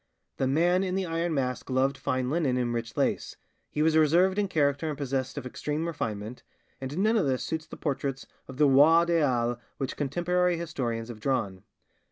The Man in the Iron Mask loved fine linen and rich lace, he was reserved in character and possessed of extreme refinement, and none of this suits the portraits of the 'roi des halles' which contemporary historians have drawn.